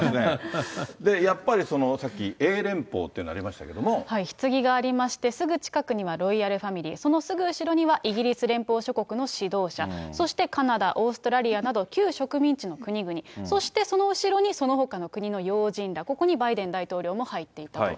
で、やっぱりさっき、ひつぎがありまして、すぐ近くにはロイヤルファミリー、そのすぐ後ろにはイギリス連邦諸国の指導者、そしてカナダ、オーストラリアなど、旧植民地の国々、そして、その後ろにそのほかの国の要人ら、ここにバイデン大統領も入っていたと。